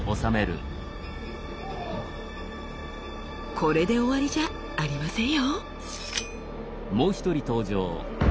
これで終わりじゃありませんよ！